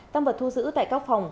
tăng vật thu giữ tại các phòng